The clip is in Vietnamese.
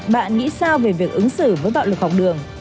bạn nghĩ sao về việc ứng xử với bạo lực học đường